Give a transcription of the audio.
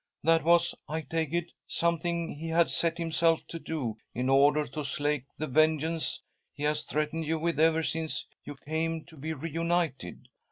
That was, I take it, something he. had set himself to do, in order to slake the vengeance he has threatened you with ever since you came to be reunited.